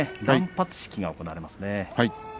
断髪式が行われますね。